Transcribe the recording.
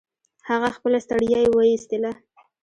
هغه خپله ستړيا يې و ايستله.